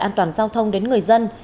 an toàn giao thông đến người dân